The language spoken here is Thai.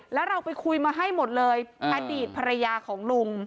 แล้วเราไปคุยมาให้หมดเลยอดีตภรรยาของลุง